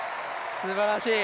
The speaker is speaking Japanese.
すばらしい。